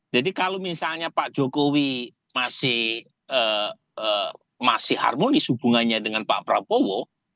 jadi kalau misalnya pak jokowi masih masih harmonis hubungannya dengan pak prabowo